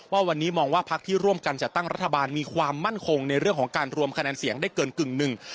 ว่าวันนี้มองว่าพักที่ร่วมกันจัดตั้งรัฐบาลมีความมั่นคงในเรื่องของการรวมคะแนนเสียงได้เกินกึ่งหนึ่ง